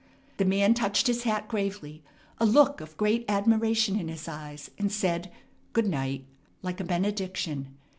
The man touched his hat gravely, a look of great admiration in his eyes, and said, "Good night" like a benediction.